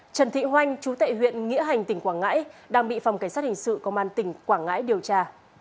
trần thị hoanh chú tệ huyện nghĩa hành tỉnh quảng ngãi đang bị phòng cảnh sát hình sự công an tỉnh quảng ngãi điều tra